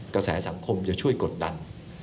กระแสสังคมจะช่วยกดดัน